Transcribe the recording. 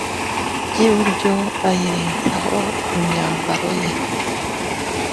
ry iburyo ayirenzaho imyambaro ye